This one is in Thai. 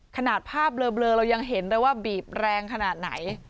ขนาดภาพเบลอเรายังเห็นเลยว่าบีบแรงขนาดไหน